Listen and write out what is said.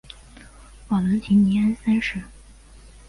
瓦伦提尼安三世。